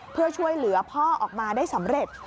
เพื่อช่วยเหลือพ่อออกมาได้สำเร็จ